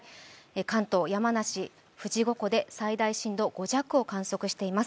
関東、山梨、富士五湖で最大震度５弱を観測しています。